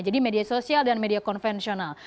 jadi media sosial dan media konvensional